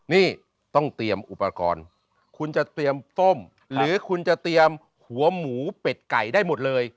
นี่ต้องเตรียมอุปกรณ์คุณจะเตรียมต้มหรือคุณจะเตรียมหัวหมูเป็ดไก่ได้หมดเลย